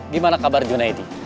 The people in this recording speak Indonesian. gimana kabar junedi